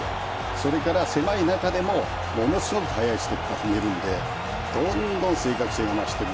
それから狭い中でもものすごく速いステップを踏めるのでどんどん正確性を増している。